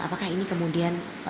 apakah ini kemudian diseluruhnya